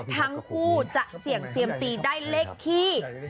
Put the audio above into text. ทั้งคู่จะเสี่ยงเซียมซีได้เลขที่